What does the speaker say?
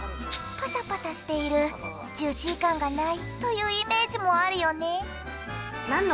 パサパサしているジューシー感がないというイメージもあるよね。